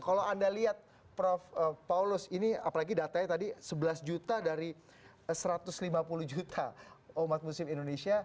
kalau anda lihat prof paulus ini apalagi datanya tadi sebelas juta dari satu ratus lima puluh juta umat muslim indonesia